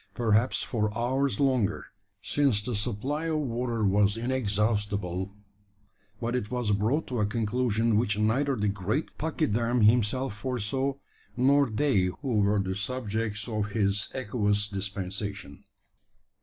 Perhaps for hours longer since the supply of water was inexhaustible; but it was brought to a conclusion which neither the great pachyderm himself foresaw, nor they who were the subjects of his aqueous dispensation.